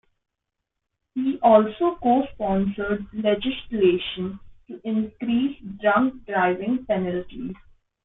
He also co-sponsored legislation to increase drunk driving penalties.